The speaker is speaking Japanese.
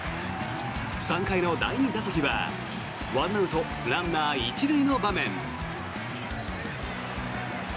３回の第２打席は１アウト、ランナー１塁の場面。